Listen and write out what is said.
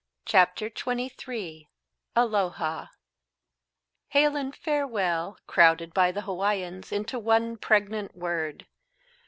CHAPTER XXIII ALOHA "Hail and Farewell," crowded by the Hawaiians into one pregnant word!